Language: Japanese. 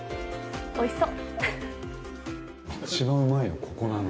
おいしそう。